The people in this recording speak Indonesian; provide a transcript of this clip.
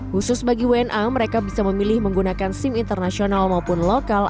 khusus bagi wna mereka bisa memilih menggunakan sim internasional maupun lokal